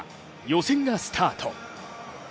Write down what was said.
予選がスタート。